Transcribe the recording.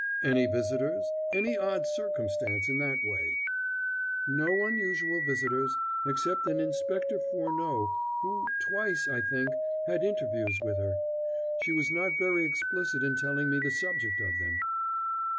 "Any visitors? Any odd circumstance in that way?" "No unusual visitors except an Inspector Furneaux, who twice, I think had interviews with her. She was not very explicit in telling me the subject of them."